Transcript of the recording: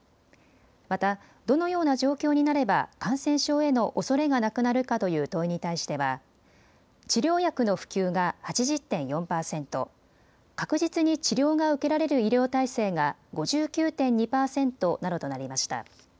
また、どのような状況になれば感染症への恐れがなくなるかという問いに対しては治療薬の普及が８０．４％、確実に治療が受けられる医療体制が５９．２％などとなりました。